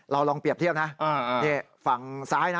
เราลองเปรียบเทียบนะฝั่งซ้ายนะ